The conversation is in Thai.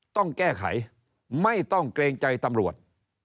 ต้องแก้ไขไม่ต้องเกรงใจตำรวจ